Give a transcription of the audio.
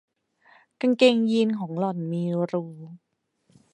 กางเกงยีนของหล่อนมีรู